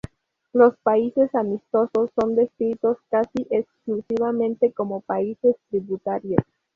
Los países amistosos son descritos casi exclusivamente como países tributarios.